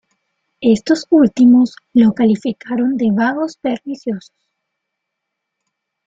Estos últimos los calificaron de "vagos perniciosos".